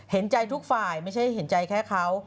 เห็นใจทุกฝ่ายไม่ใช่เห็นใจแค่เขา